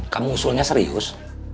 kamu usulnya serius